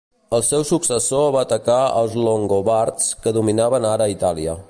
El seu successor va atacar als longobards que dominaven ara Itàlia.